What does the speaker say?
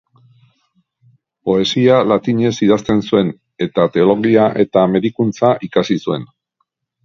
Poesia latinez idazten zuen eta teologia eta medikuntza ikasi zuen.